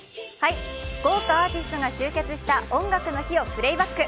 豪華アーティストが集結した「音楽の日」をプレーバック。